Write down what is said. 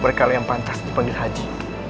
berkala yang pantas dipanggil haji